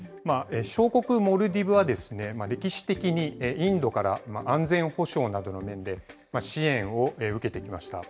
小国モルディブは、歴史的にインドから安全保障などの面で支援を受けてきました。